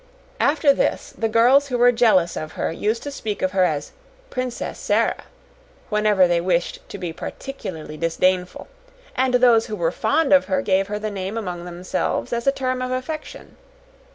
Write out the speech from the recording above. After this, the girls who were jealous of her used to speak of her as "Princess Sara" whenever they wished to be particularly disdainful, and those who were fond of her gave her the name among themselves as a term of affection.